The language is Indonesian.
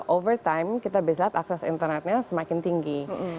over time kita bisa lihat akses internetnya semakin tinggi